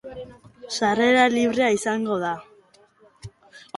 Sarrera librea izango da.